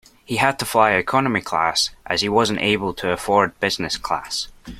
He had to fly economy class, as he wasn't able to afford business class